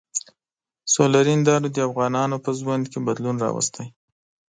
سولري هندارو د افغانانو په ژوند کې بدلون راوستی.